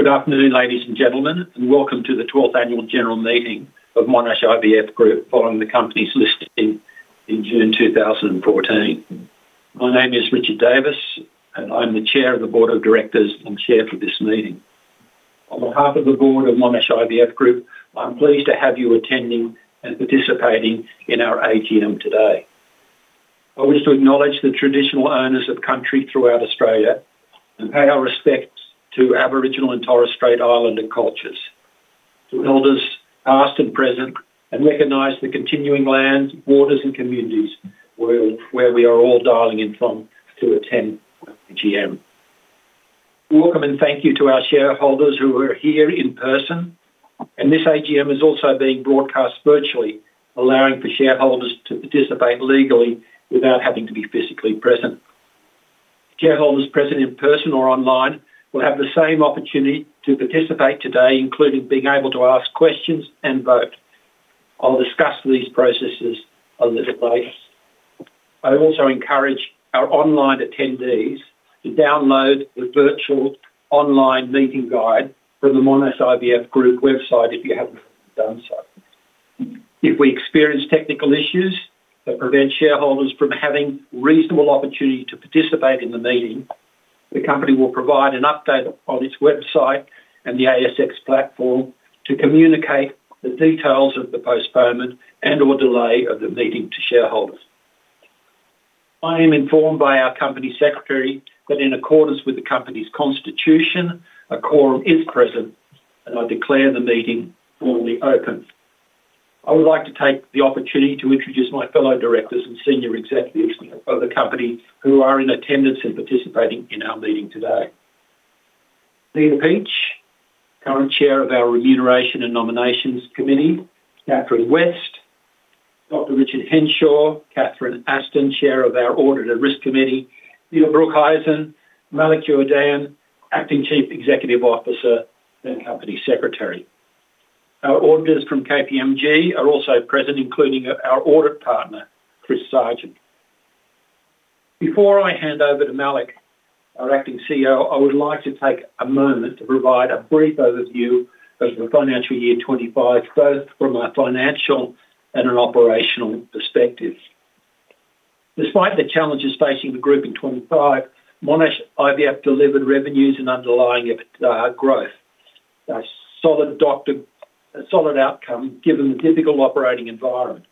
Good afternoon, ladies and gentlemen, and welcome to the 12th Annual General Meeting of Monash IVF Group, following the company's listing in June 2014. My name is Richard Davis, and I'm the Chair of the Board of Directors and Chair for this meeting. On behalf of the board of Monash IVF Group, I'm pleased to have you attending and participating in our AGM today. I wish to acknowledge the traditional owners of country throughout Australia and pay our respects to Aboriginal and Torres Strait Islander cultures, to elders past and present, and recognize the continuing lands, waters, and communities where we are all dialing in from to attend the AGM. Welcome and thank you to our shareholders who are here in person, and this AGM is also being broadcast virtually, allowing for shareholders to participate legally without having to be physically present. Shareholders present in person or online will have the same opportunity to participate today, including being able to ask questions and vote. I'll discuss these processes a little later. I also encourage our online attendees to download the virtual online meeting guide from the Monash IVF Group website if you haven't done so. If we experience technical issues that prevent shareholders from having a reasonable opportunity to participate in the meeting, the company will provide an update on its website and the ASX platform to communicate the details of the postponement and/or delay of the meeting to shareholders. I am informed by our company secretary that in accordance with the company's constitution, a quorum is present, and I declare the meeting formally open. I would like to take the opportunity to introduce my fellow directors and senior executives of the company who are in attendance and participating in our meeting today: Zita Peach, current chair of our Remuneration and Nominations Committee; Catherine West; Dr. Richard Henshaw; Catherine Aston, chair of our Audit and Risk Committee; Neil Broekhuizen; Malik Jainudeen, acting Chief Executive Officer and Company Secretary. Our auditors from KPMG are also present, including our audit partner, Chris Sargent. Before I hand over to Malik, our acting CEO, I would like to take a moment to provide a brief overview of the financial year 2025, both from a financial and an operational perspective. Despite the challenges facing the group in 2025, Monash IVF delivered revenues and underlying EBITDA growth, a solid outcome given the difficult operating environment.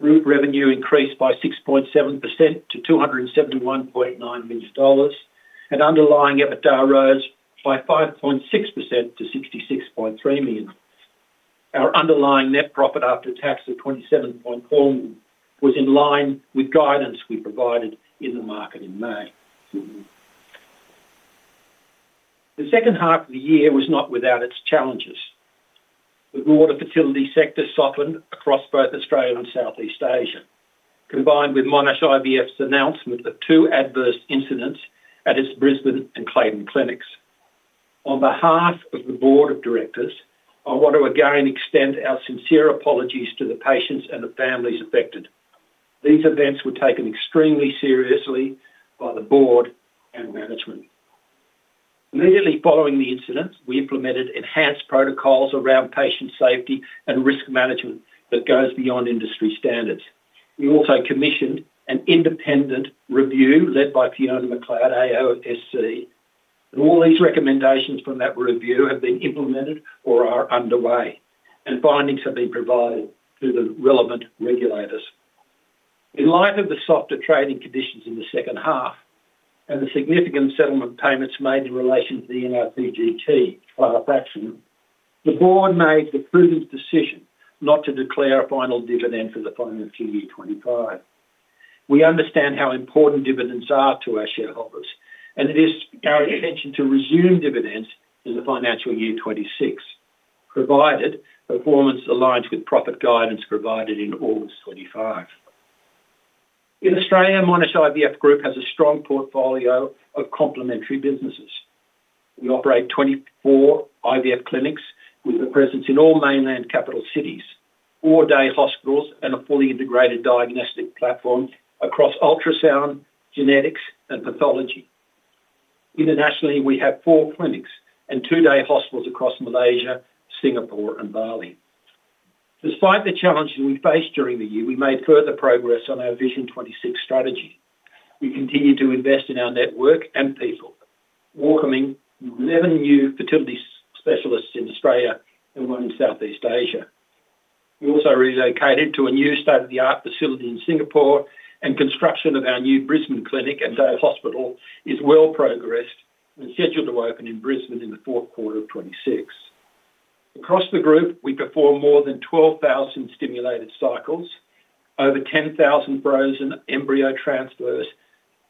Group revenue increased by 6.7% to 271.9 million dollars, and underlying EBITDA rose by 5.6% to 66.3 million. Our underlying net profit after tax of 27.4 million was in line with guidance we provided in the market in May. The second half of the year was not without its challenges. The broader fertility sector softened across both Australia and Southeast Asia, combined with Monash IVF's announcement of two adverse incidents at its Brisbane and Clayton clinics. On behalf of the board of directors, I want to again extend our sincere apologies to the patients and the families affected. These events were taken extremely seriously by the board and management. Immediately following the incident, we implemented enhanced protocols around patient safety and risk management that go beyond industry standards. We also commissioned an independent review led by Fiona MacLeod, AOSC. All these recommendations from that review have been implemented or are underway, and findings have been provided to the relevant regulators. In light of the softer trading conditions in the second half and the significant settlement payments made in relation to the NiPGT Fetal fraction, the board made the prudent decision not to declare a final dividend for the financial year 2025. We understand how important dividends are to our shareholders, and it is our intention to resume dividends in the financial year 2026, provided performance aligns with profit guidance provided in August 2025. In Australia, Monash IVF Group has a strong portfolio of complementary businesses. We operate 24 IVF clinics with a presence in all mainland capital cities, four day hospitals, and a fully integrated diagnostic platform across ultrasound, genetics, and pathology. Internationally, we have four clinics and two day hospitals across Malaysia, Singapore, and Bali. Despite the challenges we faced during the year, we made further progress on our Vision 26 strategy. We continue to invest in our network and people, welcoming 11 new fertility specialists in Australia and one in Southeast Asia. We also relocated to a new state-of-the-art facility in Singapore, and construction of our new Brisbane clinic and day hospital is well progressed and scheduled to open in Brisbane in the fourth quarter of 2026. Across the group, we perform more than 12,000 stimulated cycles, over 10,000 frozen embryo transfers,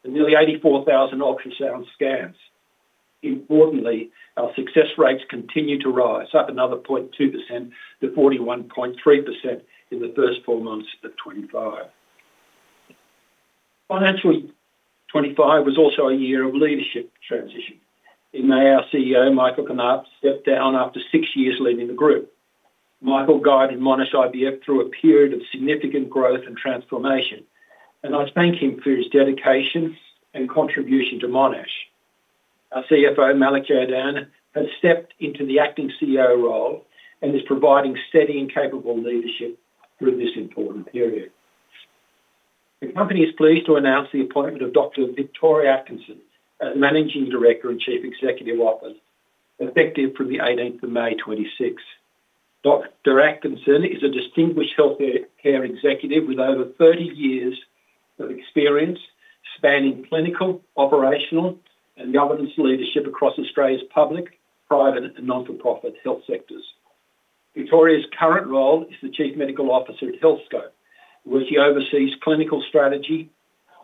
and nearly 84,000 ultrasound scans. Importantly, our success rates continue to rise, up another 0.2%-41.3% in the first four months of 2025. Financial 2025 was also a year of leadership transition. In May, our CEO, Michael Knaap, stepped down after six years leading the group. Michael guided Monash IVF through a period of significant growth and transformation, and I thank him for his dedication and contribution to Monash. Our CFO, Malik Jainudeen, has stepped into the acting CEO role and is providing steady and capable leadership through this important period. The company is pleased to announce the appointment of Dr. Victoria Atkinson as Managing Director and Chief Executive Officer, effective from the 18th of May 2026. Dr. Atkinson is a distinguished healthcare executive with over 30 years of experience spanning clinical, operational, and governance leadership across Australia's public, private, and not-for-profit health sectors. Victoria's current role is the Chief Medical Officer at Healthscope, where she oversees clinical strategy,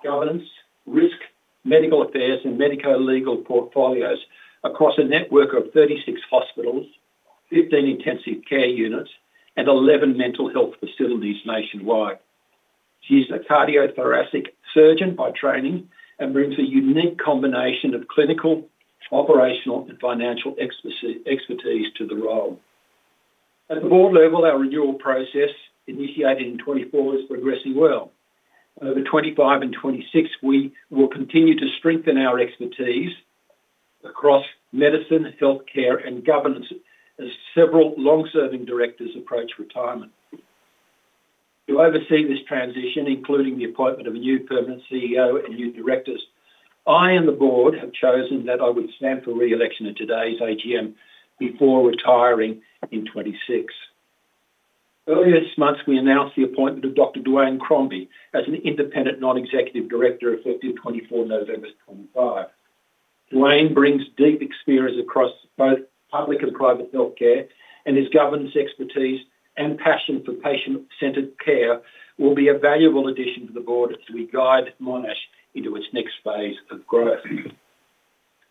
governance, risk, medical affairs, and medico-legal portfolios across a network of 36 hospitals, 15 intensive care units, and 11 mental health facilities nationwide. She is a cardiothoracic surgeon by training and brings a unique combination of clinical, operational, and financial expertise to the role. At the board level, our renewal process initiated in 2024 is progressing well. Over 2025 and 2026, we will continue to strengthen our expertise across medicine, healthcare, and governance as several long-serving directors approach retirement. To oversee this transition, including the appointment of a new permanent CEO and new directors, I and the board have chosen that I would stand for re-election at today's AGM before retiring in 2026. Earlier this month, we announced the appointment of Dr. Dwayne Crombie as an independent non-executive director effective 24 November 2025. Dwayne brings deep experience across both public and private healthcare, and his governance expertise and passion for patient-centered care will be a valuable addition to the board as we guide Monash into its next phase of growth.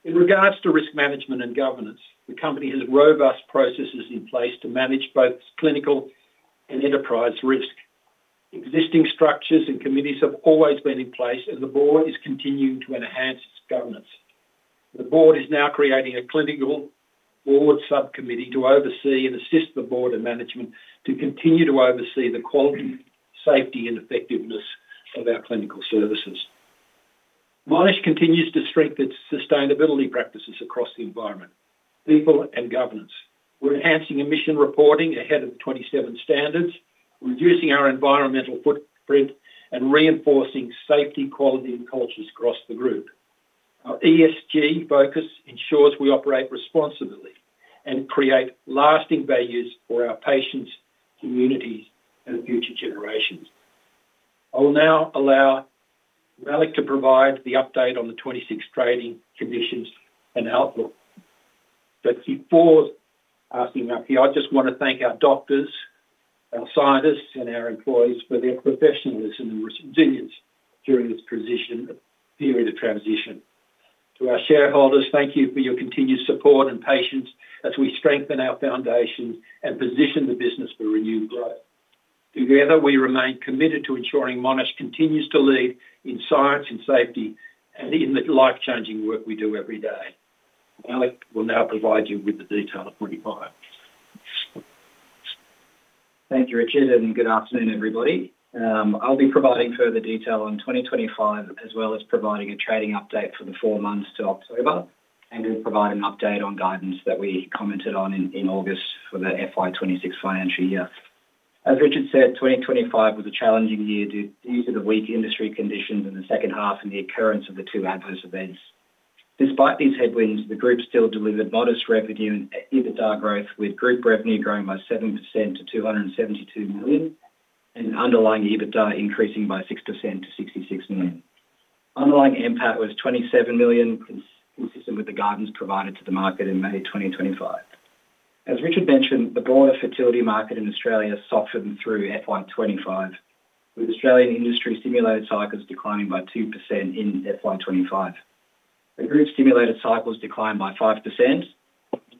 In regards to risk management and governance, the company has robust processes in place to manage both clinical and enterprise risk. Existing structures and committees have always been in place, and the board is continuing to enhance its governance. The board is now creating a clinical board subcommittee to oversee and assist the board and management to continue to oversee the quality, safety, and effectiveness of our clinical services. Monash continues to strengthen its sustainability practices across the environment, people, and governance. We're enhancing emission reporting ahead of the 2027 standards, reducing our environmental footprint, and reinforcing safety, quality, and cultures across the group. Our ESG focus ensures we operate responsibly and create lasting values for our patients, communities, and future generations. I will now allow Malik to provide the update on the 2026 trading conditions and outlook. Before asking Malik, I just want to thank our doctors, our scientists, and our employees for their professionalism and resilience during this transition period of transition. To our shareholders, thank you for your continued support and patience as we strengthen our foundation and position the business for renewed growth. Together, we remain committed to ensuring Monash continues to lead in science and safety and in the life-changing work we do every day. Malik will now provide you with the detail of 2025. Thank you, Richard, and good afternoon, everybody. I'll be providing further detail on 2025, as well as providing a trading update for the four months till October, and we'll provide an update on guidance that we commented on in August for the FY 2026 financial year. As Richard said, 2025 was a challenging year due to the weak industry conditions in the second half and the occurrence of the two adverse events. Despite these headwinds, the group still delivered modest revenue and EBITDA growth, with group revenue growing by 7% to 272 million and underlying EBITDA increasing by 6% to 66 million. Underlying impact was 27 million, consistent with the guidance provided to the market in May 2025. As Richard mentioned, the broader fertility market in Australia softened through FY 2025, with Australian industry stimulated cycles declining by 2% in FY 2025. The group stimulated cycles declined by 5%, and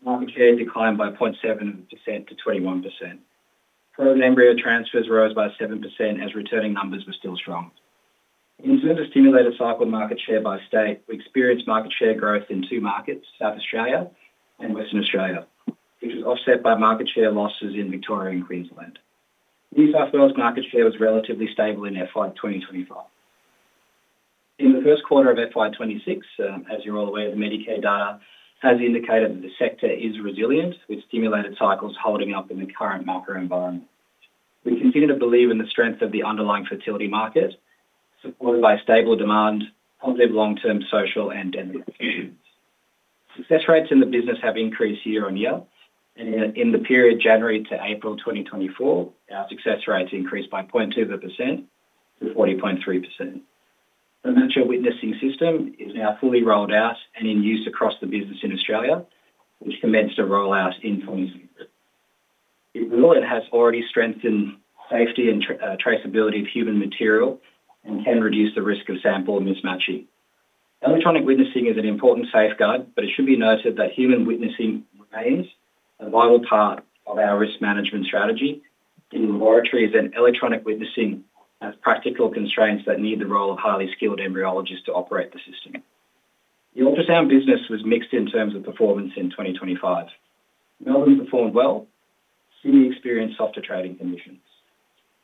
market share declined by 0.7%-21%. Frozen embryo transfers rose by 7% as returning numbers were still strong. In terms of stimulated cycle market share by state, we experienced market share growth in two markets, South Australia and Western Australia, which was offset by market share losses in Victoria and Queensland. New South Wales market share was relatively stable in FY 2025. In the first quarter of FY 2026, as you're all aware, the Medicaid data has indicated that the sector is resilient, with stimulated cycles holding up in the current macro-environment. We continue to believe in the strength of the underlying fertility market, supported by stable demand, positive long-term social and dental conditions. Success rates in the business have increased year-on-year, and in the period January to April 2024, our success rates increased by 0.2%-40.3%. The IMT Matcher witnessing system is now fully rolled out and in use across the business in Australia, which commenced to roll out in 2023. It will and has already strengthened safety and traceability of human material and can reduce the risk of sample mismatching. Electronic witnessing is an important safeguard, but it should be noted that human witnessing remains a vital part of our risk management strategy. In laboratories, electronic witnessing has practical constraints that need the role of highly skilled embryologists to operate the system. The ultrasound business was mixed in terms of performance in 2025. Melbourne performed well, seeing the experience of softer trading conditions.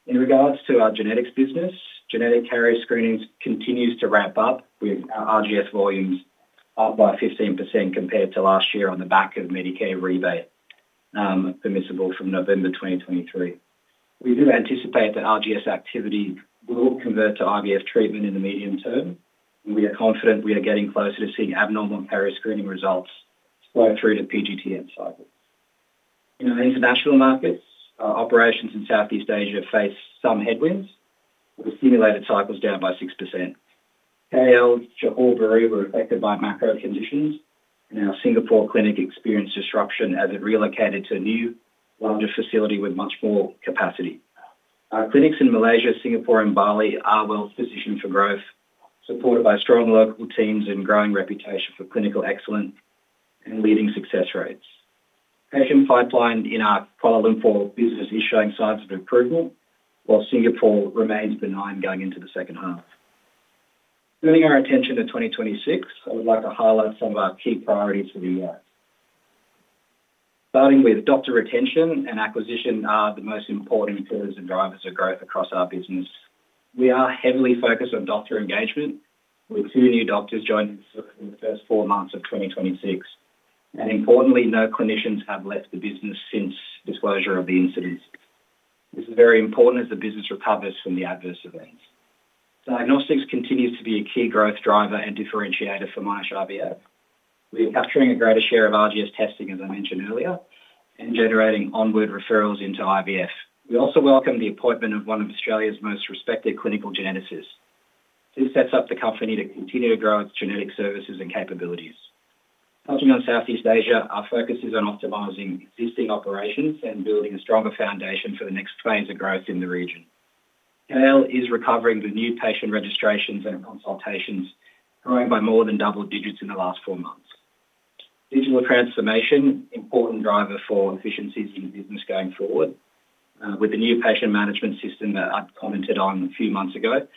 In regards to our genetics business, genetic carrier screenings continue to ramp up, with our RGS volumes up by 15% compared to last year on the back of Medicaid rebate, permissible from November 2023. We do anticipate that RGS activity will convert to IVF treatment in the medium term, and we are confident we are getting closer to seeing abnormal carrier screening results flow through to PGTN cycles. In our international markets, our operations in Southeast Asia face some headwinds, with stimulated cycles down by 6%. KL and Johor Bahru were affected by macro-conditions, and our Singapore clinic experienced disruption as it relocated to a new, larger facility with much more capacity. Our clinics in Malaysia, Singapore, and Bali are well positioned for growth, supported by strong local teams and growing reputation for clinical excellence and leading success rates. Patient pipeline in our quadrilateral business is showing signs of approval, while Singapore remains benign going into the second half. Turning our attention to 2026, I would like to highlight some of our key priorities for the year. Starting with doctor retention and acquisition are the most important pillars and drivers of growth across our business. We are heavily focused on doctor engagement, with two new doctors joining us in the first four months of 2026. Importantly, no clinicians have left the business since disclosure of the incidents. This is very important as the business recovers from the adverse events. Diagnostics continues to be a key growth driver and differentiator for Monash IVF. We are capturing a greater share of RGS testing, as I mentioned earlier, and generating onward referrals into IVF. We also welcome the appointment of one of Australia's most respected clinical geneticists. This sets up the company to continue to grow its genetic services and capabilities. Touching on Southeast Asia, our focus is on optimizing existing operations and building a stronger foundation for the next phase of growth in the region. KL is recovering. The new patient registrations and consultations, growing by more than double digits in the last four months. Digital transformation, an important driver for efficiencies in the business going forward, with the new patient management system that I commented on a few months ago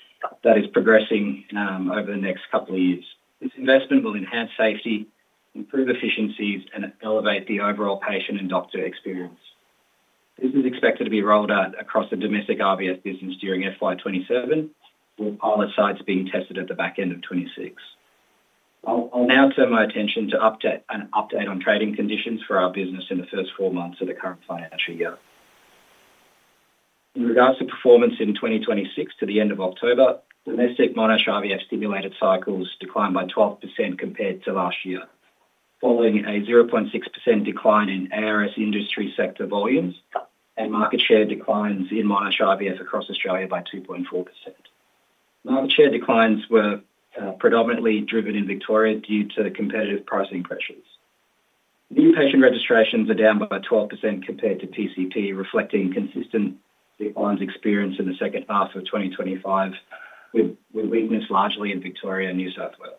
that is progressing over the next couple of years. This investment will enhance safety, improve efficiencies, and elevate the overall patient and doctor experience. This is expected to be rolled out across the domestic IVF business during FY 2027, with pilot sites being tested at the back end of 2026. I'll now turn my attention to an update on trading conditions for our business in the first four months of the current financial year. In regards to performance in 2026 to the end of October, domestic Monash IVF stimulated cycles declined by 12% compared to last year, following a 0.6% decline in ARS industry sector volumes and market share declines in Monash IVF across Australia by 2.4%. Market share declines were predominantly driven in Victoria due to competitive pricing pressures. New patient registrations are down by 12% compared to PCP, reflecting consistent declines experienced in the second half of 2025, with weakness largely in Victoria and New South Wales.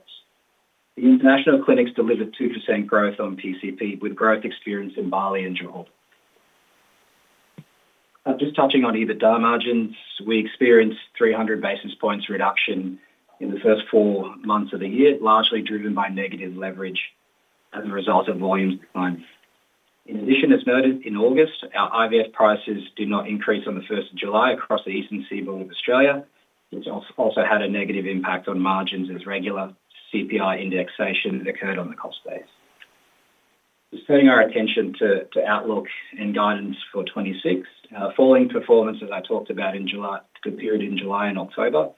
The international clinics delivered 2% growth on PCP, with growth experienced in Bali and Johor. Just touching on EBITDA margins, we experienced 300 basis points reduction in the first four months of the year, largely driven by negative leverage as a result of volume declines. In addition, as noted in August, our IVF prices did not increase on the 1st of July across the eastern seaboard of Australia. This also had a negative impact on margins as regular CPI indexation occurred on the cost base. Just turning our attention to outlook and guidance for 2026, falling performance, as I talked about, in the period in July and October,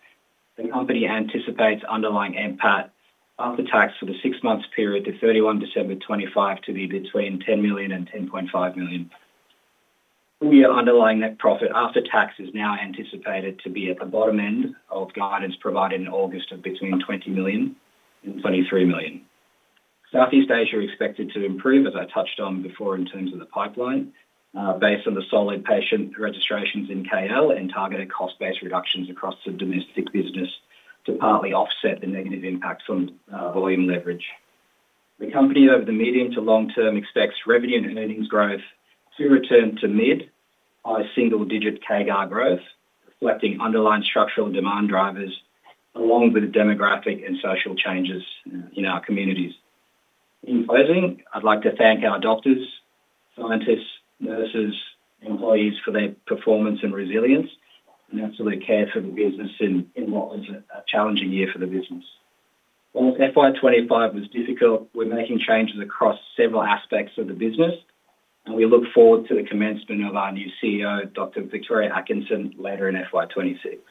the company anticipates underlying impact after tax for the six-month period to 31 December 2025 to be between 10 million and 10.5 million. We are underlying net profit after tax is now anticipated to be at the bottom end of guidance provided in August of between 20 million and 23 million. Southeast Asia is expected to improve, as I touched on before in terms of the pipeline, based on the solid patient registrations in KL and targeted cost-based reductions across the domestic business to partly offset the negative impacts on volume leverage. The company over the medium to long term expects revenue and earnings growth to return to mid- to single-digit CAGR growth, reflecting underlying structural demand drivers along with demographic and social changes in our communities. In closing, I'd like to thank our doctors, scientists, nurses, employees for their performance and resilience and absolute care for the business in what was a challenging year for the business. While FY 2025 was difficult, we're making changes across several aspects of the business, and we look forward to the commencement of our new CEO, Dr. Victoria Atkinson, later in FY 2026.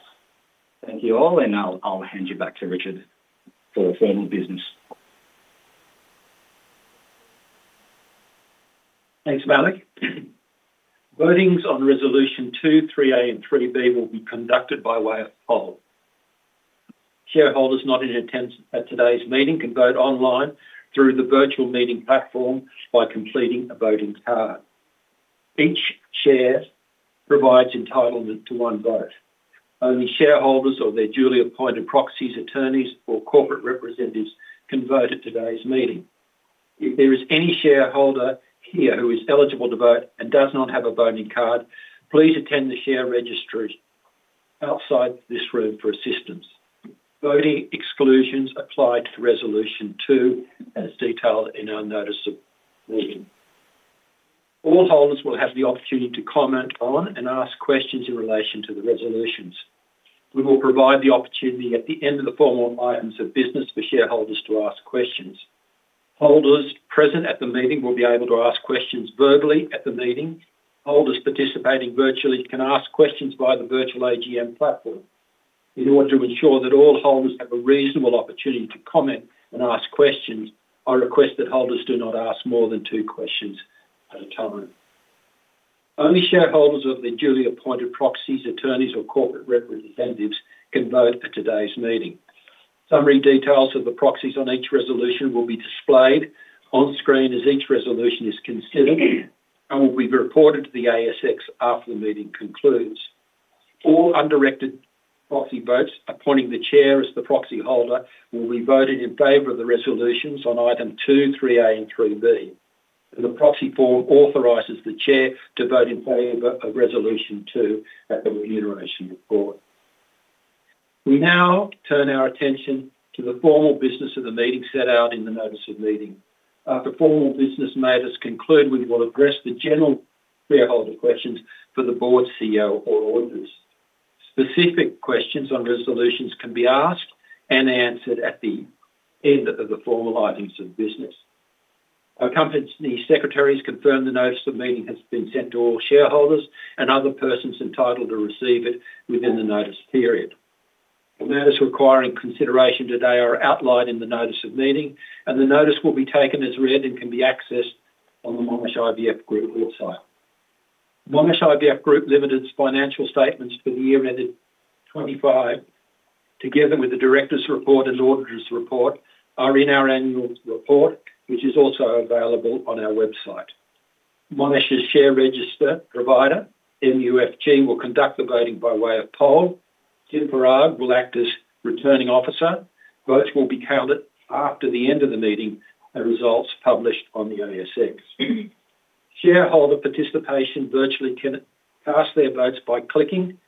Thank you all, and I'll hand you back to Richard for formal business. Thanks, Malik. Voting on Resolution 2, 3A, and 3B will be conducted by way of poll. Shareholders not in attendance at today's meeting can vote online through the virtual meeting platform by completing a voting card. Each share provides entitlement to one vote. Only shareholders or their duly appointed proxies, attorneys, or corporate representatives can vote at today's meeting. If there is any shareholder here who is eligible to vote and does not have a voting card, please attend the share registry outside this room for assistance. Voting exclusions apply to Resolution 2, as detailed in our notice of meeting. All holders will have the opportunity to comment on and ask questions in relation to the resolutions. We will provide the opportunity at the end of the formal items of business for shareholders to ask questions. Holders present at the meeting will be able to ask questions verbally at the meeting. Holders participating virtually can ask questions via the virtual AGM platform. In order to ensure that all holders have a reasonable opportunity to comment and ask questions, I request that holders do not ask more than two questions at a time. Only shareholders or their duly appointed proxies, attorneys, or corporate representatives can vote at today's meeting. Summary details of the proxies on each resolution will be displayed on screen as each resolution is considered and will be reported to the ASX after the meeting concludes. All undirected proxy votes appointing the chair as the proxy holder will be voted in favor of the resolutions on item 2, 3A, and 3B. The proxy form authorizes the chair to vote in favor of Resolution 2 at the remuneration report. We now turn our attention to the formal business of the meeting set out in the notice of meeting. After formal business matters conclude, we will address the general shareholder questions for the Board, CEO, or auditors. Specific questions on resolutions can be asked and answered at the end of the formal items of business. Our company secretaries confirm the notice of meeting has been sent to all shareholders and other persons entitled to receive it within the notice period. The matters requiring consideration today are outlined in the notice of meeting, and the notice will be taken as read and can be accessed on the Monash IVF Group website. Monash IVF Group Limited's financial statements for the year ended 2025, together with the director's report and auditor's report, are in our annual report, which is also available on our website. Monash's share register provider, MUFG, will conduct the voting by way of poll. Jim Farag will act as returning officer. Votes will be counted after the end of the meeting and results published on the ASX. Shareholder participation virtually can cast their votes by clicking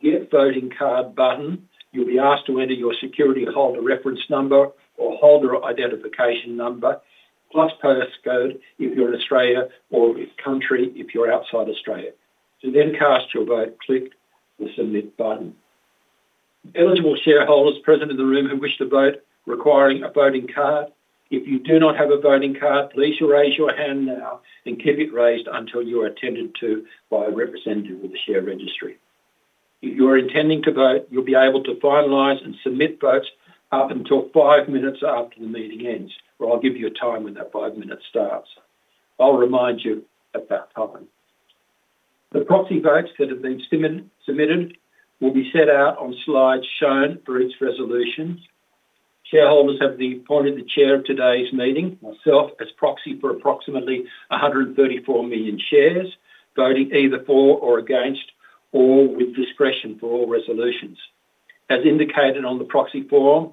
the get voting card button. You'll be asked to enter your security holder reference number or holder identification number, plus postcode if you're in Australia or country if you're outside Australia. To then cast your vote, click the submit button. Eligible shareholders present in the room who wish to vote requiring a voting card, if you do not have a voting card, please raise your hand now and keep it raised until you are attended to by a representative with the share registry. If you're intending to vote, you'll be able to finalize and submit votes up until five minutes after the meeting ends, or I'll give you a time when that five minutes starts. I'll remind you at that time. The proxy votes that have been submitted will be set out on slides shown for each resolution. Shareholders have appointed the chair of today's meeting, myself, as proxy for approximately 134 million shares, voting either for or against or with discretion for all resolutions. As indicated on the proxy form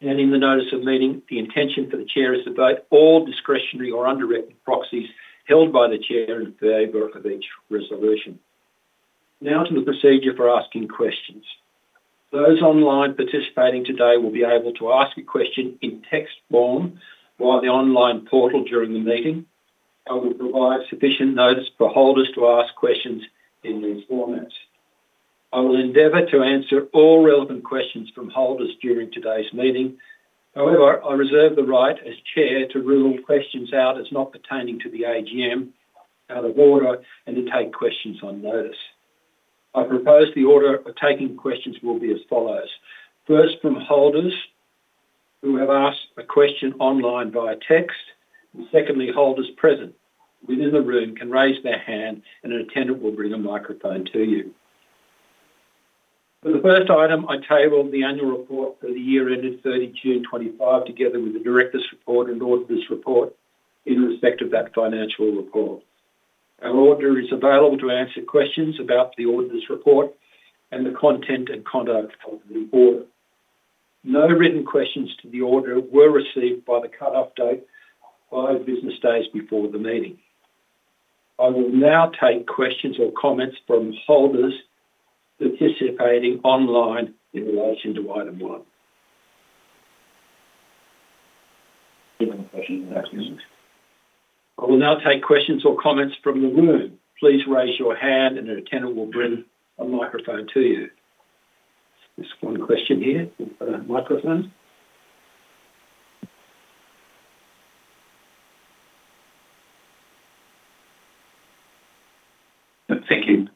and in the notice of meeting, the intention for the chair is to vote all discretionary or undirected proxies held by the chair in favor of each resolution. Now to the procedure for asking questions. Those online participating today will be able to ask a question in text form via the online portal during the meeting. I will provide sufficient notice for holders to ask questions in these formats. I will endeavor to answer all relevant questions from holders during today's meeting. However, I reserve the right as Chair to rule questions out as not pertaining to the AGM and the Board and to take questions on notice. I propose the order of taking questions will be as follows. First, from holders who have asked a question online via text. Secondly, holders present within the room can raise their hand, and an attendant will bring a microphone to you. For the first item, I table the annual report for the year ended 30 June 2025 together with the Directors' Report and Auditor's Report in respect of that financial report. Our auditor is available to answer questions about the Auditor's Report and the content and conduct of the audit. No written questions to the auditor were received by the cutoff date five business days before the meeting. I will now take questions or comments from holders participating online in relation to item one. I will now take questions or comments from the room. Please raise your hand, and an attendant will bring a microphone to you. Just one question here for the microphone. Thank you.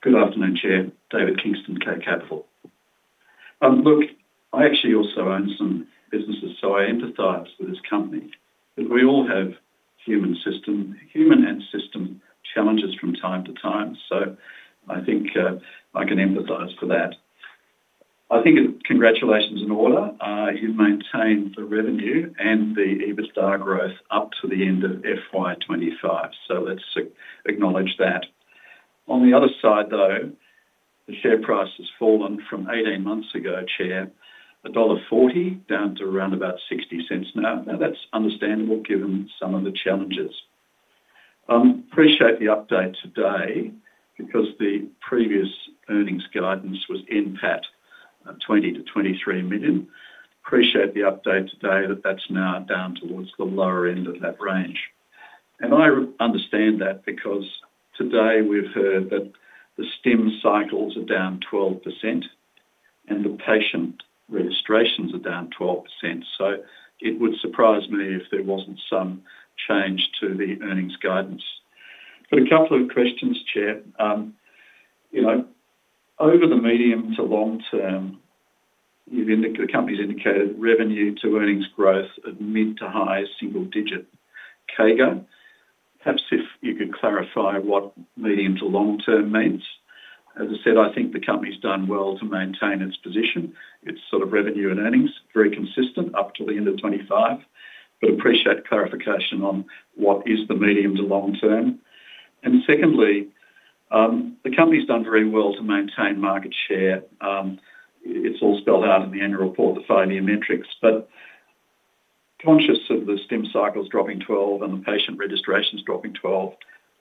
Good afternoon, Chair. David Kingston, K Capital. Look, I actually also own some businesses, so I empathize with this company. We all have human and system challenges from time to time, so I think I can empathize for that. I think congratulations are in order. You've maintained the revenue and the EBITDA growth up to the end of FY 2025, so let's acknowledge that. On the other side, though, the share price has fallen from 18 months ago, Chair, dollar 1.40 down to around about 0.60 now. That's understandable given some of the challenges. I appreciate the update today because the previous earnings guidance was in pat, 20-23 million. Appreciate the update today that that's now down towards the lower end of that range. I understand that because today we've heard that the STIM cycles are down 12% and the patient registrations are down 12%. It would surprise me if there wasn't some change to the earnings guidance. A couple of questions, Chair. Over the medium to long term, the company's indicated revenue to earnings growth at mid to high single-digit CAGR. Perhaps if you could clarify what medium to long term means. As I said, I think the company's done well to maintain its position. It's sort of revenue and earnings, very consistent up to the end of 2025, but appreciate clarification on what is the medium to long term. Secondly, the company's done very well to maintain market share. It's all spelled out in the annual report, the five-year metrics, but conscious of the STIM cycles dropping 12 and the patient registrations dropping 12,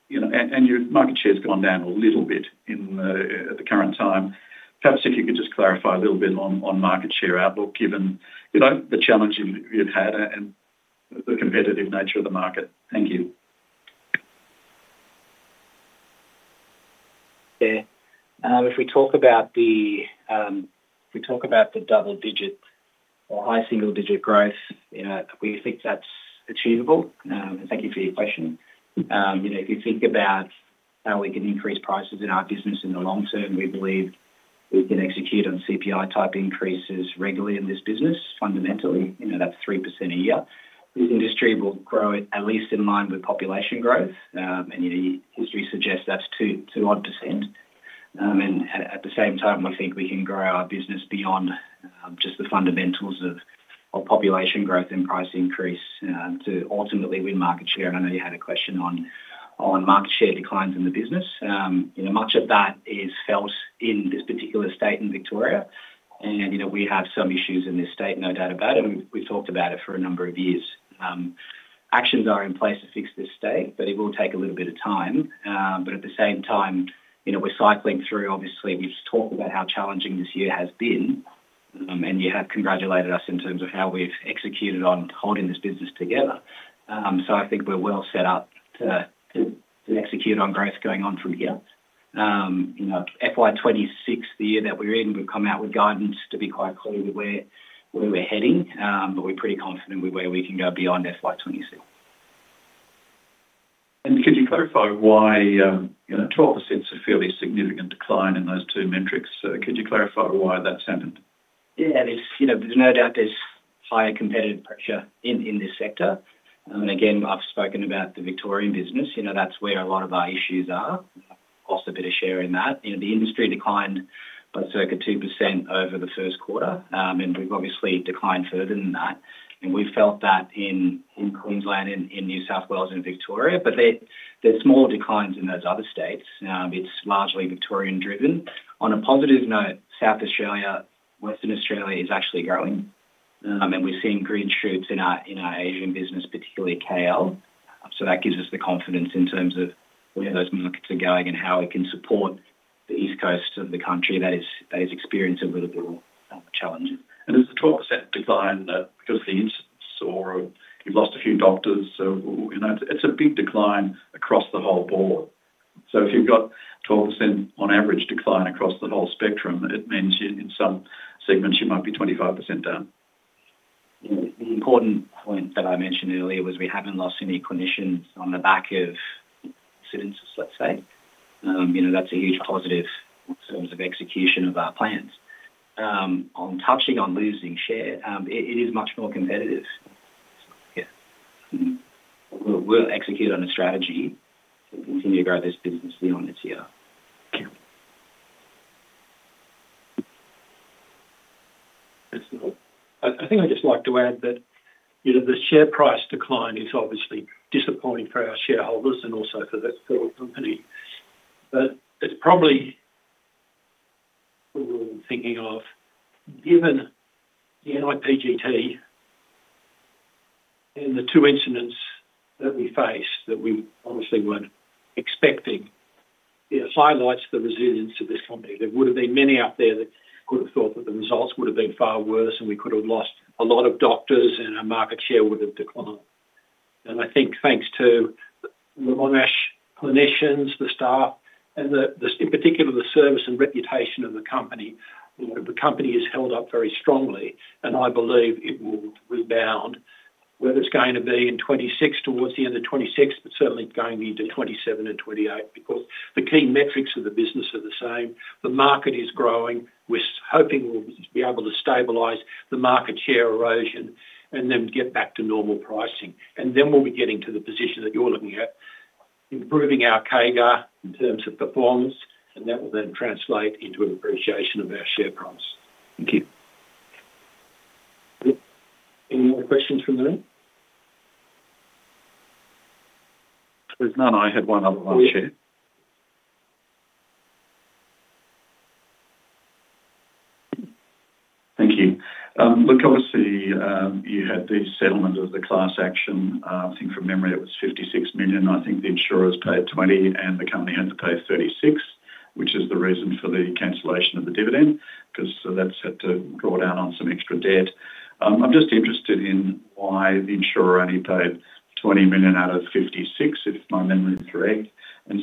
and your market share has gone down a little bit at the current time. Perhaps if you could just clarify a little bit on market share outlook given the challenge you've had and the competitive nature of the market. Thank you. If we talk about the if we talk about the double-digit or high single-digit growth, we think that's achievable. Thank you for your question. If you think about how we can increase prices in our business in the long term, we believe we can execute on CPI-type increases regularly in this business. Fundamentally, that's 3% a year. This industry will grow at least in line with population growth, and history suggests that's 2-odd percent. At the same time, we think we can grow our business beyond just the fundamentals of population growth and price increase to ultimately win market share. I know you had a question on market share declines in the business. Much of that is felt in this particular state in Victoria, and we have some issues in this state, no doubt about it. We've talked about it for a number of years. Actions are in place to fix this state, it will take a little bit of time. At the same time, we're cycling through. Obviously, we've talked about how challenging this year has been, and you have congratulated us in terms of how we've executed on holding this business together. I think we're well set up to execute on growth going on from here. FY 2026, the year that we're in, we've come out with guidance to be quite clear where we're heading, but we're pretty confident with where we can go beyond FY 2026. Could you clarify why 12% is a fairly significant decline in those two metrics? Could you clarify why that's happened? Yeah, there's no doubt there's higher competitive pressure in this sector. Again, I've spoken about the Victorian business. That's where a lot of our issues are. Lost a bit of share in that. The industry declined by circa 2% over the first quarter, and we've obviously declined further than that. We've felt that in Queensland, in New South Wales, and Victoria, but there are small declines in those other states. It is largely Victorian-driven. On a positive note, South Australia and Western Australia are actually growing, and we're seeing green shoots in our Asian business, particularly KL. That gives us the confidence in terms of where those markets are going and how we can support the East Coast of the country that has experienced a little bit more challenges. Is the 12% decline because of the incidents, or you've lost a few doctors? It's a big decline across the whole board. If you've got 12% on average decline across the whole spectrum, it means in some segments you might be 25% down. The important point that I mentioned earlier was we haven't lost any clinicians on the back of incidents, let's say. That's a huge positive in terms of execution of our plans. On touching on losing share, it is much more competitive. Yeah. We'll execute on a strategy to continue to grow this business beyond this year. I think I just like to add that the share price decline is obviously disappointing for our shareholders and also for the company. It is probably what we're thinking of, given the NiPGT and the two incidents that we faced that we obviously weren't expecting, it highlights the resilience of this company. There would have been many out there that could have thought that the results would have been far worse and we could have lost a lot of doctors and our market share would have declined. I think thanks to the Monash clinicians, the staff, and in particular the service and reputation of the company, the company has held up very strongly, and I believe it will rebound. Whether it's going to be in 2026, towards the end of 2026, but certainly going into 2027 and 2028, because the key metrics of the business are the same. The market is growing. We're hoping we'll be able to stabilize the market share erosion and then get back to normal pricing. Then we'll be getting to the position that you're looking at, improving our CAGR in terms of performance, and that will then translate into an appreciation of our share price. Thank you. Any more questions from the room? There's none. I had one other one, Chair. Thank you. Look, obviously, you had the settlement of the class action. I think from memory it was 56 million. I think the insurers paid 20 million and the company had to pay 36 million, which is the reason for the cancellation of the dividend, because that's had to draw down on some extra debt. I'm just interested in why the insurer only paid 20 million out of 56 million, if my memory is correct.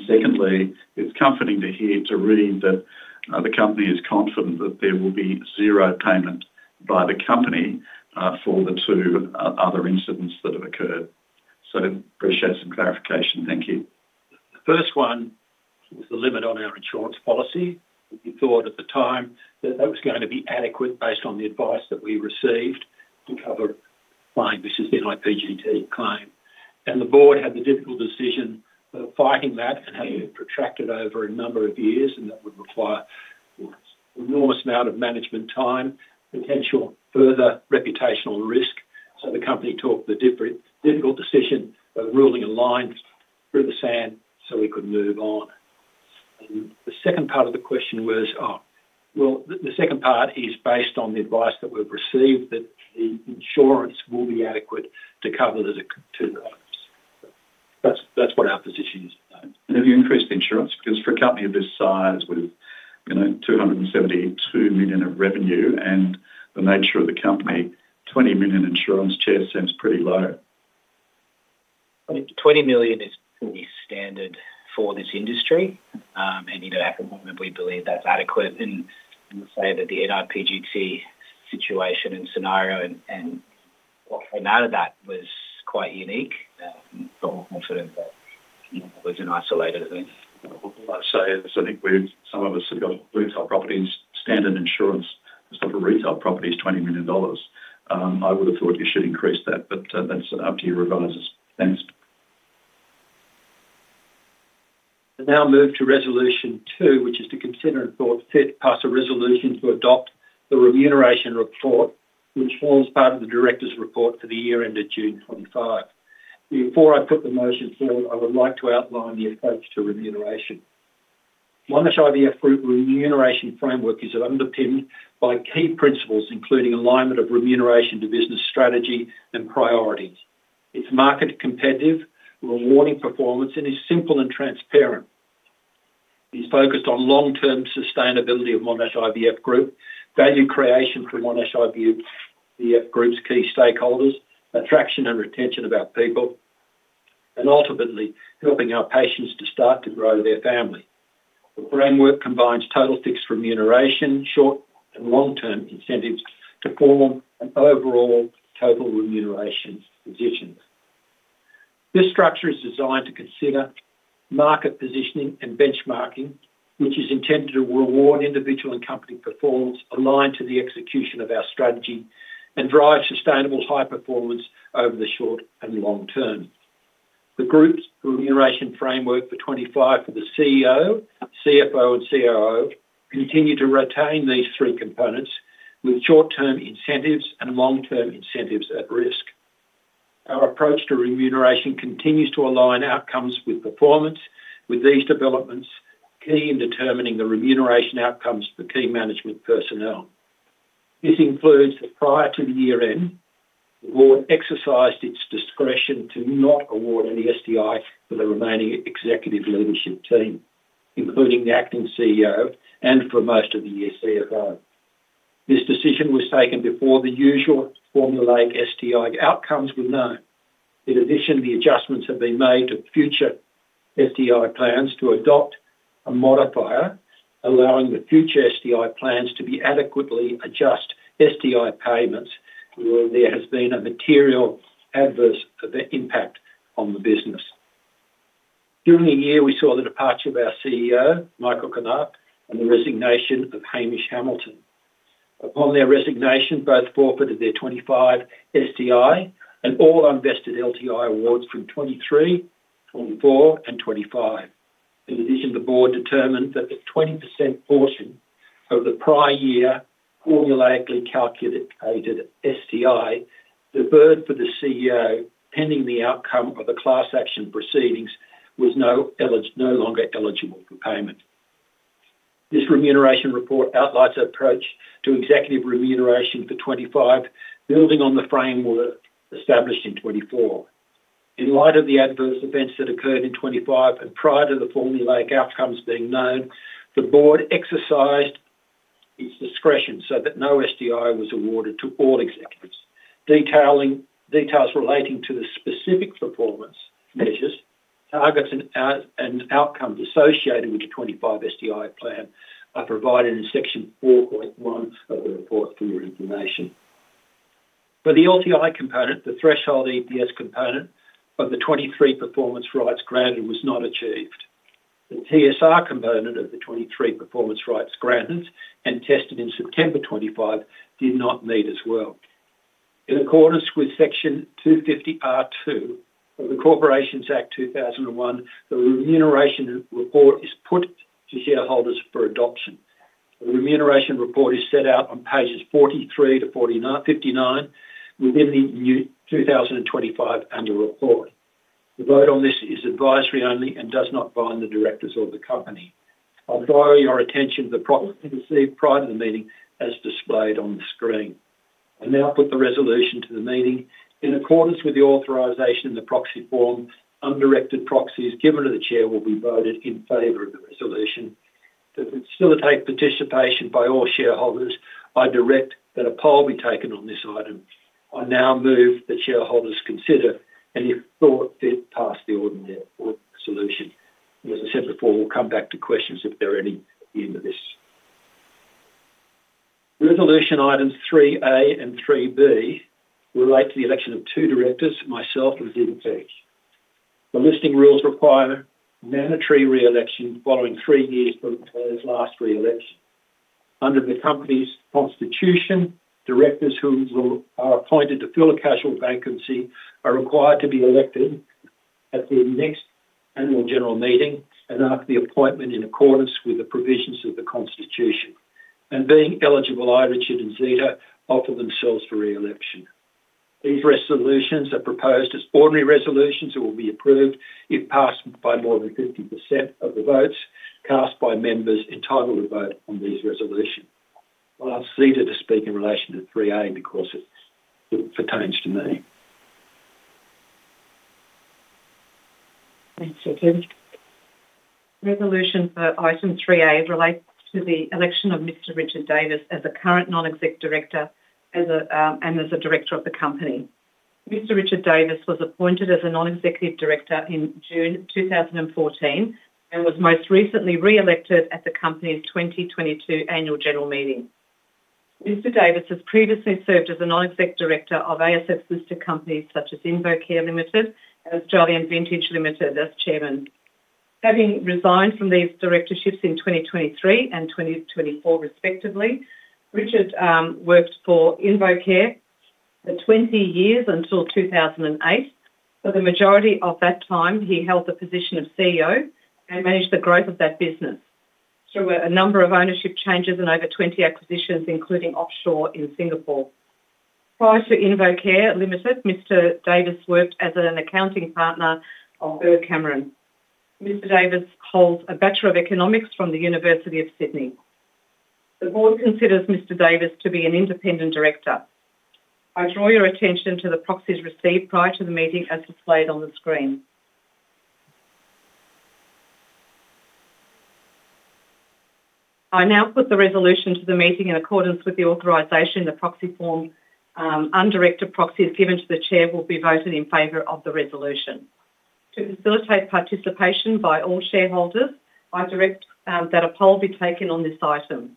Secondly, it's comforting to read that the company is confident that there will be zero payment by the company for the two other incidents that have occurred. I appreciate some clarification. Thank you. The first one was the limit on our insurance policy. We thought at the time that that was going to be adequate based on the advice that we received to cover, buying this is the NiPGT claim. The board had the difficult decision of fighting that and having it protracted over a number of years, and that would require an enormous amount of management time, potential further reputational risk. The company took the difficult decision of ruling a line through the sand so we could move on. The second part of the question was, the second part is based on the advice that we've received that the insurance will be adequate to cover the two others. That's what our position is. Have you increased insurance? Because for a company of this size, with 272 million of revenue and the nature of the company, 20 million insurance, Chair, seems pretty low. 20 million is pretty standard for this industry. At the moment, we believe that's adequate. I would say that the NiPGT situation and scenario and what came out of that was quite unique. It was not isolated. I think some of us have got retail properties. Standard insurance has got retail properties 20 million dollars. I would have thought you should increase that, but that is up to your advisors. Thanks. We will now move to resolution two, which is to consider and, if thought fit, pass a resolution to adopt the remuneration report, which forms part of the director's report for the year ended June 2025. Before I put the motion forward, I would like to outline the approach to remuneration. Monash IVF Group's remuneration framework is underpinned by key principles, including alignment of remuneration to business strategy and priorities. It is market competitive, rewarding performance, and is simple and transparent. It's focused on long-term sustainability of Monash IVF Group, value creation for Monash IVF Group's key stakeholders, attraction and retention of our people, and ultimately helping our patients to start to grow their family. The framework combines total fixed remuneration, short and long-term incentives to form an overall total remuneration position. This structure is designed to consider market positioning and benchmarking, which is intended to reward individual and company performance aligned to the execution of our strategy and drive sustainable high performance over the short and long term. The group's remuneration framework for 2025 for the CEO, CFO, and COO continue to retain these three components with short-term incentives and long-term incentives at risk. Our approach to remuneration continues to align outcomes with performance, with these developments key in determining the remuneration outcomes for key management personnel. This includes that prior to the year end, the board exercised its discretion to not award any SDI for the remaining executive leadership team, including the acting CEO and for most of the year CFO. This decision was taken before the usual formulaic SDI outcomes were known. In addition, the adjustments have been made to future SDI plans to adopt a modifier, allowing the future SDI plans to be adequately adjust SDI payments where there has been a material adverse impact on the business. During the year, we saw the departure of our CEO, Michael Knaap, and the resignation of Hamish Hamilton. Upon their resignation, both forfeited their 2025 SDI and all unvested LTI awards from 2023, 2024, and 2025. In addition, the board determined that the 20% portion of the prior year formulaically calculated SDI deferred for the CEO, pending the outcome of the class action proceedings, was no longer eligible for payment. This remuneration report outlines an approach to executive remuneration for 2025, building on the framework established in 2024. In light of the adverse events that occurred in 2025 and prior to the formulaic outcomes being known, the board exercised its discretion so that no SDI was awarded to all executives. Details relating to the specific performance measures, targets, and outcomes associated with the 2025 SDI plan are provided in section 4.1 of the report for your information. For the LTI component, the threshold EPS component of the 2023 performance rights granted was not achieved. The TSR component of the 2023 performance rights granted and tested in September 2025 did not meet as well. In accordance with section 250(r)(2) of the Corporations Act 2001, the remuneration report is put to shareholders for adoption. The remuneration report is set out on pages 43 to 59 within the new 2025 annual report. The vote on this is advisory only and does not bind the directors or the company. I'll throw your attention to the proxies received prior to the meeting as displayed on the screen. I now put the resolution to the meeting. In accordance with the authorization in the proxy form, undirected proxies given to the chair will be voted in favor of the resolution. To facilitate participation by all shareholders, I direct that a poll be taken on this item. I now move that shareholders consider and if thought fit pass the ordinary resolution. As I said before, we'll come back to questions if there are any at the end of this. Resolution items 3A and 3B relate to the election of two directors, myself and Zita Peach. The listing rules require mandatory reelection following three years from the last reelection. Under the company's constitution, directors who are appointed to fill a casual vacancy are required to be elected at the next annual general meeting after the appointment in accordance with the provisions of the constitution. Being eligible, I, Richard, and Zita offer themselves for reelection. These resolutions are proposed as ordinary resolutions that will be approved if passed by more than 50% of the votes cast by members entitled to vote on these resolutions. I'll cede it to speak in relation to 3A because it pertains to me. Thanks, Richard. Resolution for item 3A relates to the election of Mr. Richard Davis as a current non-executive director and as a director of the company. Mr. Richard Davis was appointed as a non-executive director in June 2014 and was most recently reelected at the company's 2022 annual general meeting. Mr. Davis has previously served as a non-executive director of ASX listed companies such as InvoCare Limited and Australian Vintage Limited as chairman. Having resigned from these directorships in 2023 and 2024 respectively, Richard worked for InvoCare for 20 years until 2008. For the majority of that time, he held the position of CEO and managed the growth of that business through a number of ownership changes and over 20 acquisitions, including offshore in Singapore. Prior to InvoCare Limited, Mr. Davis worked as an accounting partner of Earl Cameron. Mr. Davis holds a Bachelor of Economics from the University of Sydney. The board considers Mr. Davis to be an independent director. I draw your attention to the proxies received prior to the meeting as displayed on the screen. I now put the resolution to the meeting in accordance with the authorization. The proxy form, undirected proxies given to the chair will be voted in favor of the resolution. To facilitate participation by all shareholders, I direct that a poll be taken on this item.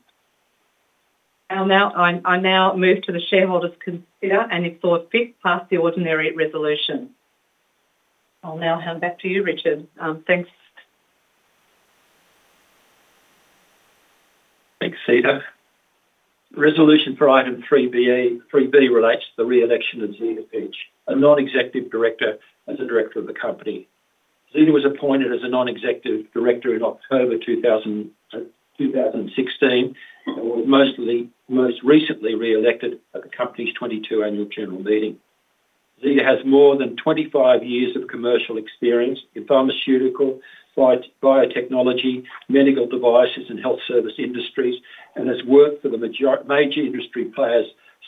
I now move to the shareholders' consider and if thought fit pass the ordinary resolution. I'll now hand back to you, Richard. Thanks. Thanks, Zita. Resolution for item 3B relates to the reelection of Zita Peach, a non-executive director as a director of the company. Zita was appointed as a non-executive director in October 2016 and was most recently reelected at the company's 2022 annual general meeting. Zita has more than 25 years of commercial experience in pharmaceutical, biotechnology, medical devices, and health service industries and has worked for the major industry players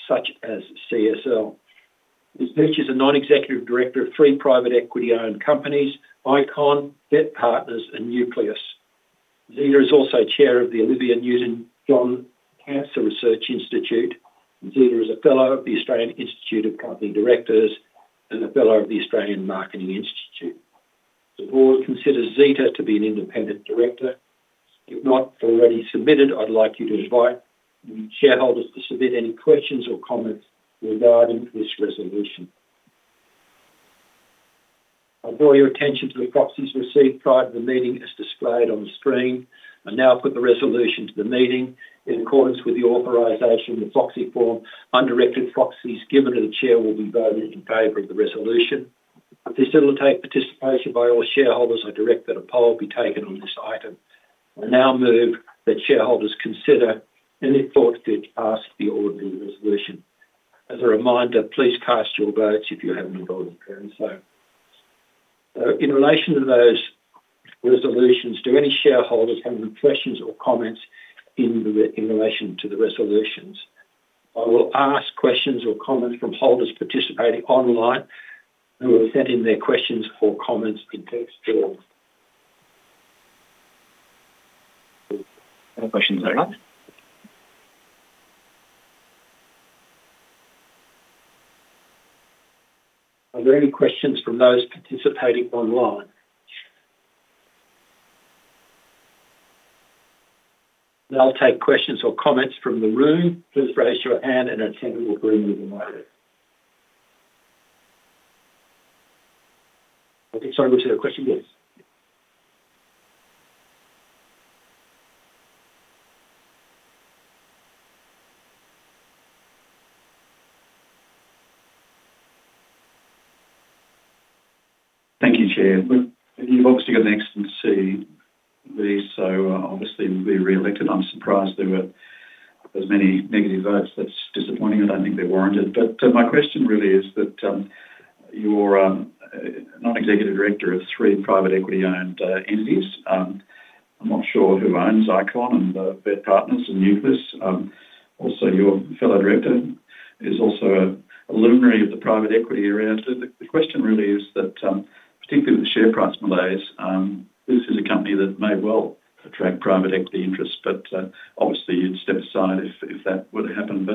such as CSL. Ms. Peach is a non-executive director of three private equity-owned companies, Icon, BitPartners, and Nucleus. Zita is also chair of the Olivia Newton-John Cancer Research Institute. Zita is a fellow of the Australian Institute of Company Directors and a fellow of the Australian Marketing Institute. The board coisiders Zeta to be an independent director. If not already submitted, I'd like you to invite shareholders to submit any questions or comments regarding this resolution. I draw your attention to the proxies received prior to the meeting as displayed on the screen. I now put the resolution to the meeting. In accordance with the authorization, the proxy form, undirected proxies given to the chair will be voted in favor of the resolution. To facilitate participation by all shareholders, I direct that a poll be taken on this item. I now move that shareholders consider and if thought fit pass the ordinary resolution. As a reminder, please cast your votes if you haven't already done so. In relation to those resolutions, do any shareholders have any questions or comments in relation to the resolutions? I will ask questions or comments from holders participating online who have sent in their questions or comments in text form. No questions at all. Are there any questions from those participating online? I'll take questions or comments from the room. Please raise your hand and attend will be removed. I think someone received a question. Yes. Thank you, Chair. You've obviously got the excellent to see these, so obviously we'll be reelected. I'm surprised there were as many negative votes. That's disappointing. I don't think they're warranted. My question really is that you're a non-executive director of three private equity-owned entities. I'm not sure who owns Icon and BitPartners and Nucleus. Also, your fellow director is also a luminary of the private equity around. The question really is that, particularly with the share price malaise, this is a company that may well attract private equity interests, but obviously you'd step aside if that were to happen.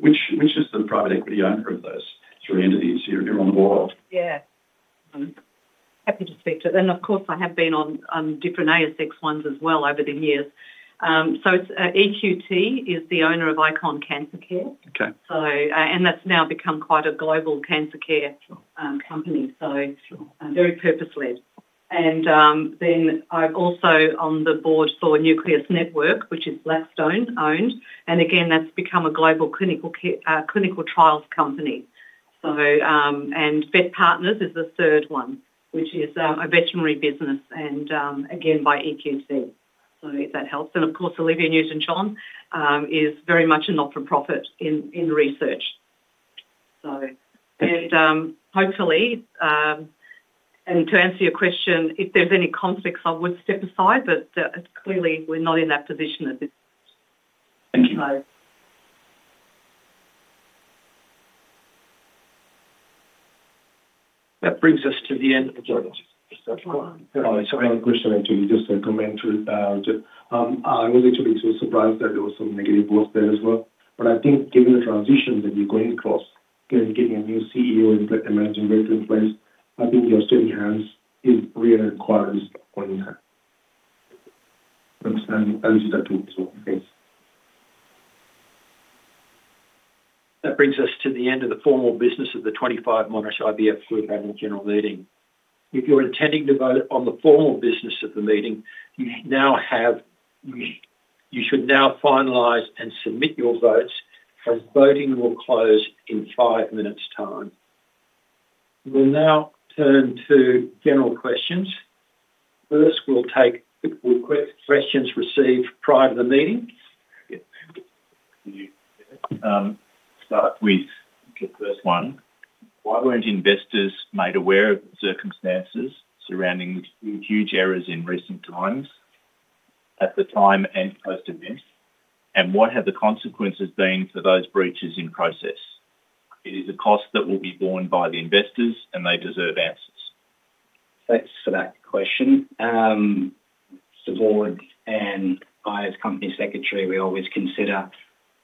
Which is the private equity owner of those three entities? You're on the board. Yeah. Happy to speak to it. Of course, I have been on different ASX ones as well over the years. EQT is the owner of Icon Cancer Care. That's now become quite a global cancer care company, so very purpose-led. I've also been on the board for Nucleus Network, which is Blackstone-owned. Again, that's become a global clinical trials company. BitPartners is the third one, which is a veterinary business and again by EQT. That helps. Of course, Olivia Newton-John is very much a not-for-profit in research. Hopefully, and to answer your question, if there's any conflicts, I would step aside, but clearly we're not in that position at this point. Thank you. That brings us to the end of the— Sorry, I have a question to you. Just a comment about— I was actually surprised that there was some negative voice there as well. I think given the transition that you're going across, getting a new CEO and Managing Director in place, I think your steady hands is really required at this point in time. Thanks. That brings us to the end of the formal business of the 2025 Monash IVF Group Annual General Meeting. If you're intending to vote on the formal business of the meeting, you should now finalize and submit your votes. Voting will close in five minutes' time. We'll now turn to general questions. First, we'll take questions received prior to the meeting. Start with the first one. Why weren't investors made aware of the circumstances surrounding huge errors in recent times at the time and post-event? What have the consequences been for those breaches in process? It is a cost that will be borne by the investors, and they deserve answers. Thanks for that question. The board and I, as company secretary, always consider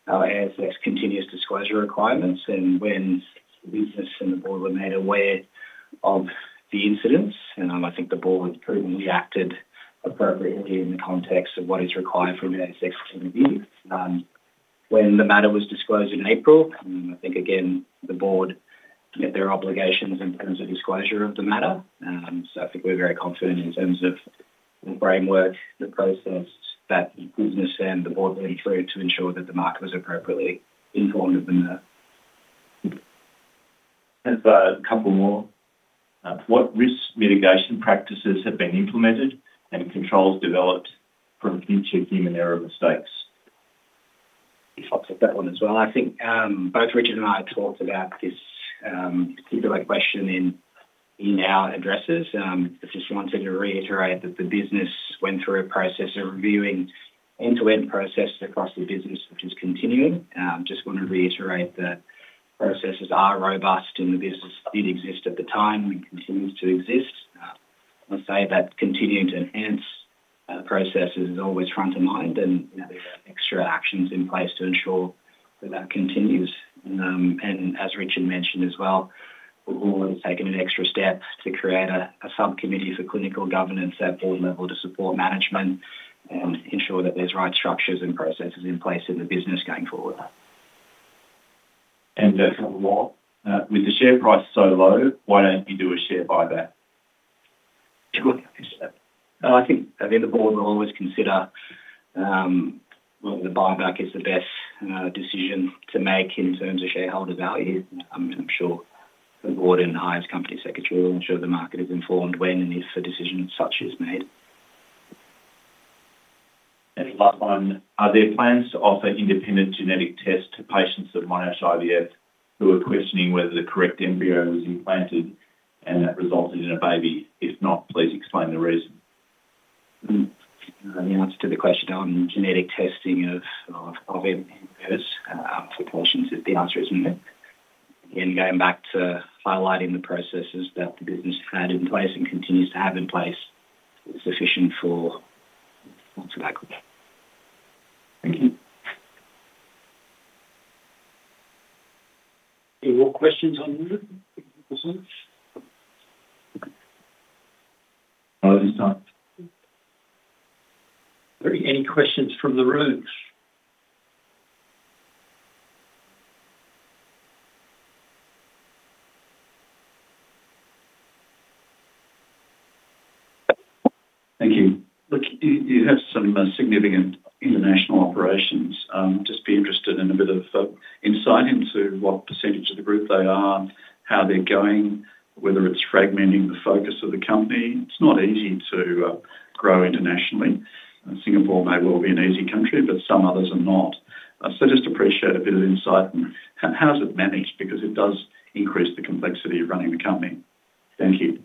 our ASX continuous disclosure requirements. When the business and the board were made aware of the incidents, I think the board has proven we acted appropriately in the context of what is required from the ASX to review. When the matter was disclosed in April, I think again the board met their obligations in terms of disclosure of the matter. I think we're very confident in terms of the framework, the process, that business, and the board went through to ensure that the market was appropriately informed of the matter. A couple more. What risk mitigation practices have been implemented and controls developed from future human error mistakes? I'll take that one as well. I think both Richard and I talked about this particular question in our addresses. I just wanted to reiterate that the business went through a process of reviewing end-to-end process across the business, which is continuing. Just want to reiterate that processes are robust, and the business did exist at the time and continues to exist. I'll say that continuing to enhance processes is always front of mind, and there are extra actions in place to ensure that that continues. As Richard mentioned as well, the board has taken an extra step to create a subcommittee for clinical governance at board level to support management and ensure that there's right structures and processes in place in the business going forward. A couple more. With the share price so low, why don't you do a share buyback? I think at the end of the board, we'll always consider whether the buyback is the best decision to make in terms of shareholder value. I'm sure the board and I as company secretary will ensure the market is informed when and if a decision such is made. Last one. Are there plans to offer independent genetic tests to patients of Monash IVF who are questioning whether the correct embryo was implanted and that resulted in a baby? If not, please explain the reason. The answer to the question on genetic testing of embryos, for caution, the answer is no. Again, going back to highlighting the processes that the business had in place and continues to have in place, it's sufficient for answer that question. Thank you. Any more questions on this? Any questions from the room? Thank you. Look, you have some significant international operations. Just be interested in a bit of insight into what percentage of the group they are, how they're going, whether it's fragmenting the focus of the company. It's not easy to grow internationally. Singapore may well be an easy country, but some others are not. I just appreciate a bit of insight on how it's managed because it does increase the complexity of running the company. Thank you.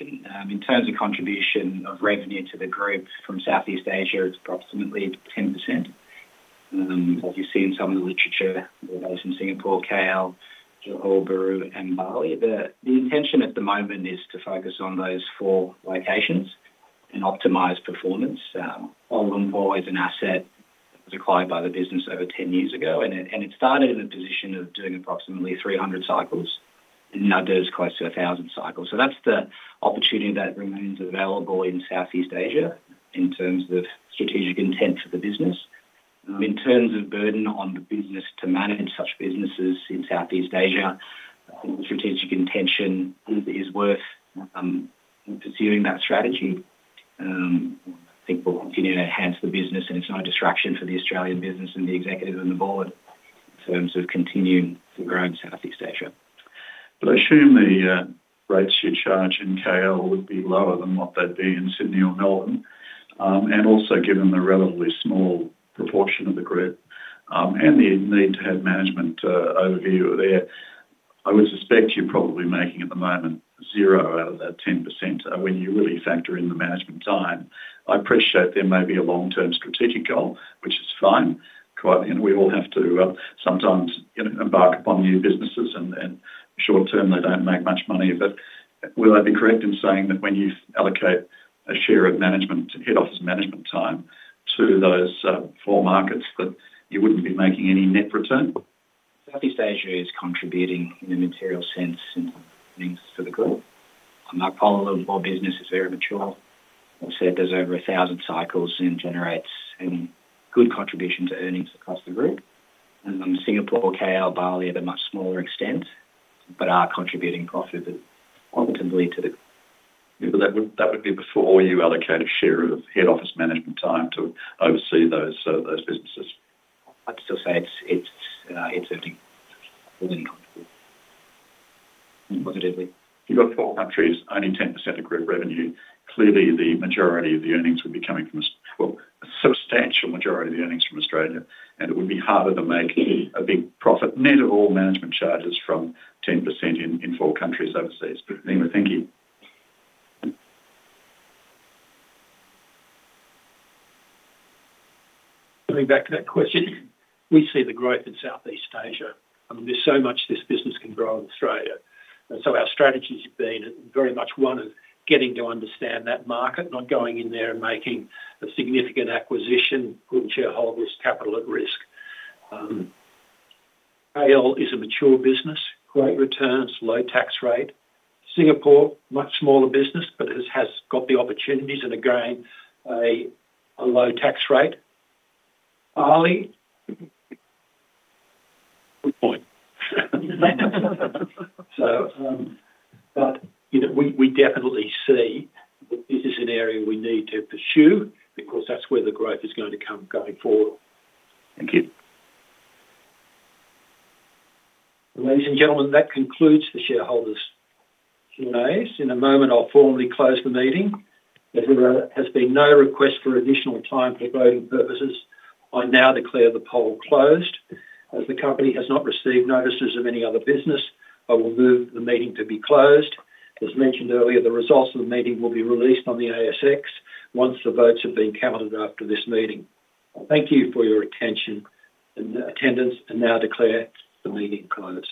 In terms of contribution of revenue to the group from Southeast Asia, it's approximately 10%. As you see in some of the literature, the ones in Singapore, KL, Johor, Peru, and Mali. The intention at the moment is to focus on those four locations and optimize performance. All of them are always an asset required by the business over 10 years ago. And it started in a position of doing approximately 300 cycles and now does close to 1,000 cycles. That's the opportunity that remains available in Southeast Asia in terms of strategic intent for the business. In terms of burden on the business to manage such businesses in Southeast Asia, I think the strategic intention is worth pursuing that strategy. I think we'll continue to enhance the business, and it's no distraction for the Australian business and the executive and the board in terms of continuing to grow in Southeast Asia. I assume the rates you charge in KL would be lower than what they'd be in Sydney or Melbourne. Also, given the relatively small proportion of the group and the need to have management overview there, I would suspect you're probably making at the moment zero out of that 10% when you really factor in the management time. I appreciate there may be a long-term strategic goal, which is fine. We all have to sometimes embark upon new businesses, and short-term, they don't make much money. Would I be correct in saying that when you allocate a share of management, head office management time to those four markets, that you wouldn't be making any net return? Southeast Asia is contributing in a material sense in earnings to the group. I'll pull a little bit more business. It's very mature. I said there's over 1,000 cycles and generates a good contribution to earnings across the group. Singapore, KL, Bali at a much smaller extent, but are contributing profitably to the group. That would be before you allocate a share of head office management time to oversee those businesses. I'd still say it's earning profitably. Positively. You've got four countries, only 10% of group revenue. Clearly, the majority of the earnings would be coming from, well, a substantial majority of the earnings from Australia. It would be harder to make a big profit, net of all management charges, from 10% in four countries overseas. Anyway, thank you. Coming back to that question, we see the growth in Southeast Asia. There's so much this business can grow in Australia. Our strategy has been very much one of getting to understand that market, not going in there and making a significant acquisition, putting shareholders' capital at risk. KL is a mature business, great returns, low tax rate. Singapore, much smaller business, but has got the opportunities and a growing low tax rate. Bali. Good point. We definitely see that this is an area we need to pursue because that's where the growth is going to come going forward. Thank you. Ladies and gentlemen, that concludes the shareholders' Q&A. In a moment, I'll formally close the meeting. There has been no request for additional time for voting purposes. I now declare the poll closed. As the company has not received notices of any other business, I will move the meeting to be closed. As mentioned earlier, the results of the meeting will be released on the ASX once the votes have been counted after this meeting. Thank you for your attention and attendance, and I now declare the meeting closed.